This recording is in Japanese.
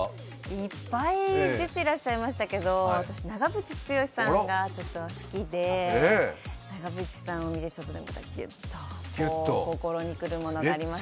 いっぱい出てらっしゃいましたけど、長渕剛さんが私、好きで長渕さんがギュッと心にくるものがありました。